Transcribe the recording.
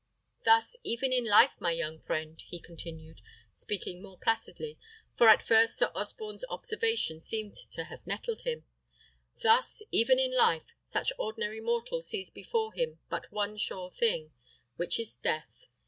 Thus, even in life, my young friend," he continued, speaking more placidly, for at first Sir Osborne's observation seemed to have nettled him; "thus, even in life, each ordinary mortal sees before him but one thing sure, which is death.